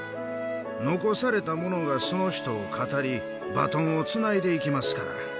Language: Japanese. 残された者がその人を語り、バトンをつないでいきますから。